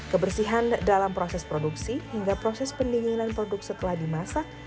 kebersihan dalam proses produksi hingga proses pendinginan produk setelah dimasak